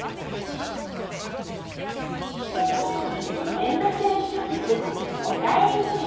連続テレビ小説「おかえりモネ」。